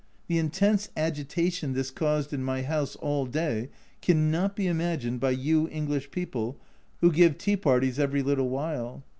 The intense agita tion this caused in my house all day cannot be imagined by you English people who give tea parties every little while